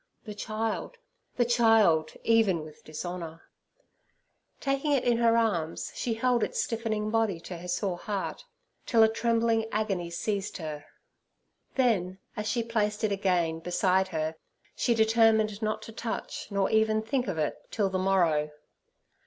The child—the child, even with dishonour! Taking it in her arms, she held its stiffening body to her sore heart, till a trembling agony seized her. Then, as she placed it again beside her, she determined not to touch, nor even think of, it till the morrow.